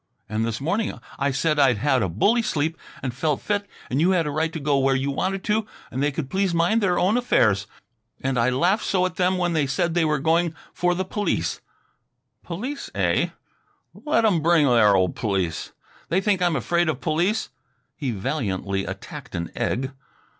And this morning I said I'd had a bully sleep and felt fit and you had a right to go where you wanted to and they could please mind their own affairs, and I laughed so at them when they said they were going for the police " "Police, eh? Let 'em bring their old police. They think I'm afraid of police?" He valiantly attacked an egg.